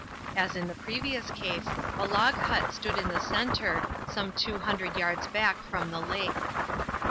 As in the previous case, a log hut stood in the center, some two hundred yards back from the lake.